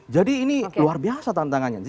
jadi ini luar biasa tantangannya